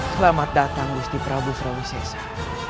selamat datang di prabu surawi sesa